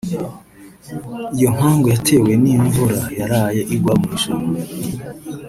Iyo nkangu yatewe n’imvura yaraye igwa mu ijoro